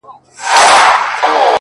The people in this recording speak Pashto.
زما پاچا زما له خياله نه وتلی”